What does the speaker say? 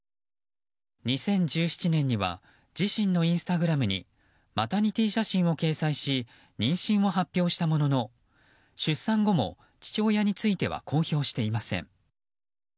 ２０１７年には自身のインスタグラムにマタニティー写真を掲載し妊娠を発表したものの出産後も父親については公表していません。